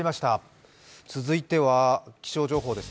続いては気象情報です。